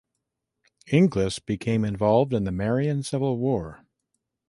Inglis became involved in the Marian Civil War.